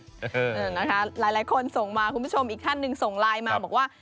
นะคะหลายคนส่งมาคุณผู้ชมอีกท่านหนึ่งส่งไลน์มาบอกว่า